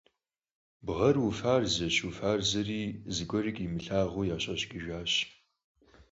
Бгъэр уфарзэщ-уфарзэри, зыгуэрикӀ имылъагъуу ящхьэщыкӀыжащ.